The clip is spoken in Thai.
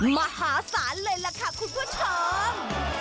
มหาศาลเลยล่ะค่ะคุณผู้ชม